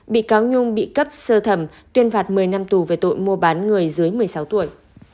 bị cáo nhung bị cấp sơ thẩm tuyên phạt một mươi năm tù về tội mua bán người dưới một mươi sáu tuổi